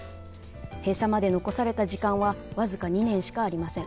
閉鎖まで残された時間は僅か２年しかありません。